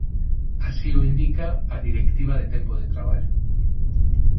Así o indica a Directiva de Tempo de Traballo.